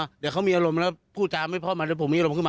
เดี๋ยวเขามีอารมณ์แล้วผู้จำไม่พอมาแต่ผมมีอารมณ์ขึ้นมา